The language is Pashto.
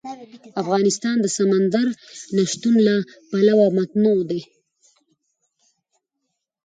افغانستان د سمندر نه شتون له پلوه متنوع دی.